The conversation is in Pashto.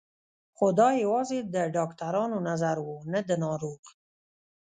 خو دا یوازې د ډاکترانو نظر و نه د ناروغ